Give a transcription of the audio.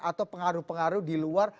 atau pengaruh pengaruh di luar